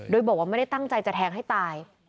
โดยบอกว่าไม่ได้ตั้งใจจะแทงให้ตาย